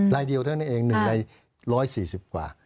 รายเดียวเท่านั้นเอง๑ใน๑๔๐กว่า